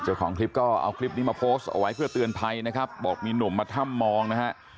เจ้าของคลิปก็เอาคลิปนี้มาโพสต์เอาไว้เพื่อเตือนภัยนะครับบอกมีหนุ่มมาถ้ำมองนะฮะ